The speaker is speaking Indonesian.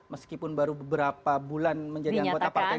meskipun baru beberapa bulan menjadi anggota partai